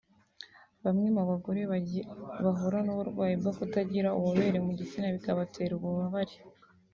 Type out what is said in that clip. Bamwe mu bagore bahura n’uburwayi bwo kutagira ububobere mu gitsina bikabatera ububabare